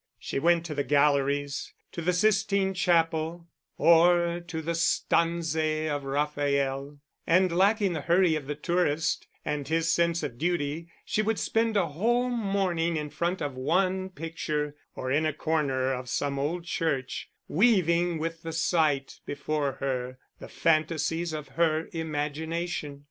She went to the galleries, to the Sistine Chapel or to the Stanze of Raphael; and, lacking the hurry of the tourist and his sense of duty, she would spend a whole morning in front of one picture, or in a corner of some old church, weaving with the sight before her the fantasies of her imagination.